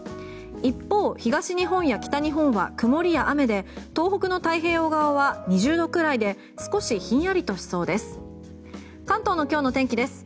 一方、東日本や北日本は曇りや雨で東北の太平洋側は２０度くらいで少しひんやりとしそうです。